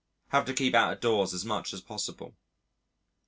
Have to keep out of doors as much as possible.